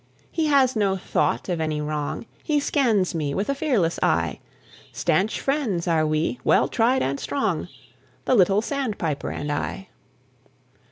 He has no thought of any wrong, He scans me with a fearless eye; Stanch friends are we, well tried and strong, The little sandpiper and I.